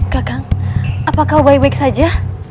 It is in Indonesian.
kakang apakah baik baik saja